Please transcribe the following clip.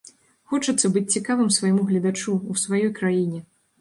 Хочацца быць цікавым свайму гледачу, у сваёй краіне.